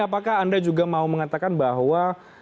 apakah anda juga mau mengatakan bahwa